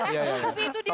tapi itu dia loh